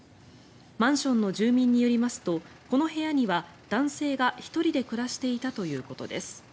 マンションの住民によりますとこの部屋には男性が１人で暮らしていたということです。